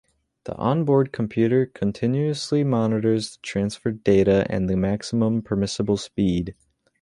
The on-board computer continuously monitors the transferred data and the maximum permissible speed.